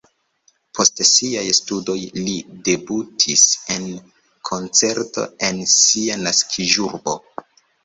Post siaj studoj li debutis en koncerto en sia naskiĝurbo.